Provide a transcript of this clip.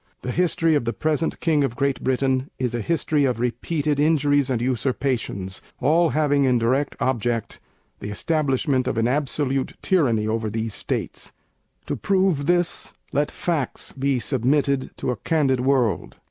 The history of the present King of Great Britain is a history of repeated injuries and usurpations, all having in direct object the establishment of an absolute Tyranny over these States. To prove this, let Facts be submitted to a candid world.